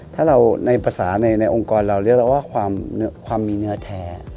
ถ้าเราในภาษาในองค์กรเราเรียกเราว่าความมีเนื้อแท้